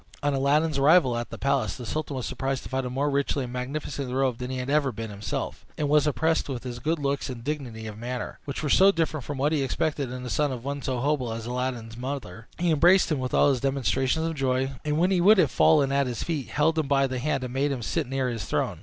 On Aladdin's arrival at the palace, the sultan was surprised to find him more richly and magnificently robed than he had ever been himself, and was impressed with his good looks and dignity of manner, which were so different from what he expected in the son of one so humble as Aladdin's mother. He embraced him with all the demonstrations of joy, and when he would have fallen at his feet, held him by the hand, and made him sit near his throne.